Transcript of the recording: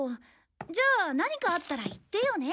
じゃあ何かあったら言ってよね。